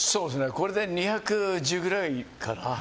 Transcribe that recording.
これで２１０くらいかな。